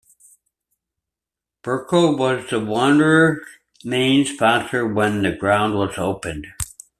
Verco was the Wanderers main sponsor when the ground was opened.